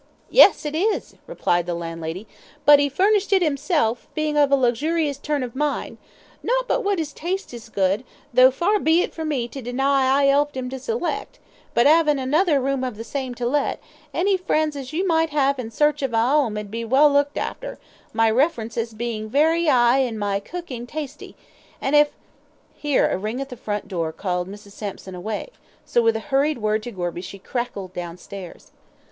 "Yes, it is," replied the landlady; "but 'e furnished it 'imself, bein' of a luxurus turn of mind, not but what 'is taste is good, tho' far be it from me to deny I 'elped 'im to select; but 'avin' another room of the same to let, any friends as you might 'ave in search of a 'ome 'ud be well looked arter, my references bein' very 'igh, an' my cookin' tasty an' if " Here a ring at the front door bell called Mrs. Sampson away, so with a hurried word to Gorby she crackled downstairs.